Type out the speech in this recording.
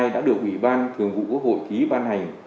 đã được ủy ban thường vụ quốc hội ký ban hành